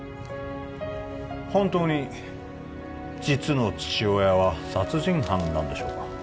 本当に実の父親は殺人犯なんでしょうか？